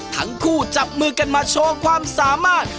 ทั้งคู่จับมือกันมาโชว์ความสามารถ